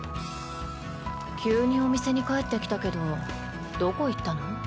急にお店に帰って来たけどどこ行ったの？